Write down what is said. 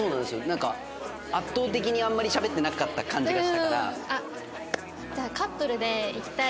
なんか圧倒的にあんまりしゃべってなかった感じがしたから。